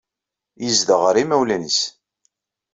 Yezdeɣ ɣer yimawlan-nnes.